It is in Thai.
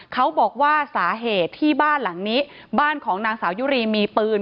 เขาบอกว่าสาเหตุที่บ้านหลังนี้บ้านของนางสาวยุรีมีปืน